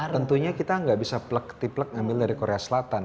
tentunya kita nggak bisa plek tiplek ngambil dari korea selatan